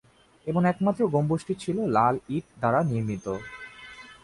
এবং একমাত্র গম্বুজটি ছিল লাল ইট দ্বারা নির্মিত।